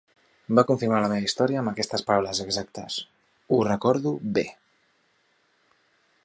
Va confirmar la meva història, amb aquestes paraules exactes: "ho recordo bé".